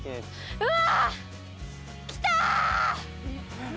うわ！